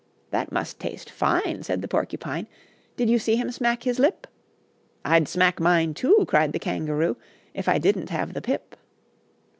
"That must taste fine," Said the Porcupine, "Did you see him smack his lip?" "I'd smack mine, too," Cried the Kangaroo, "If I didn't have the pip."